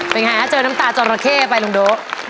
เป็นไงเจอน้ำตาจอรัคะไปลุงโด๊ะ